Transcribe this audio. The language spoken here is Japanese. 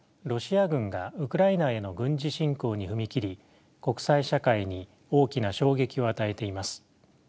ロシア軍がウクライナへの軍事侵攻に踏み切り国際社会に大きな衝撃を与えています。